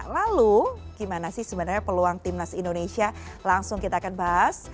lalu gimana sih sebenarnya peluang timnas indonesia langsung kita akan bahas